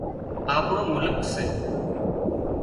آپڻو مالڪ سي